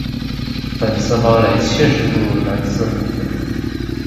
粉色猫雷确实不如蓝色塔菲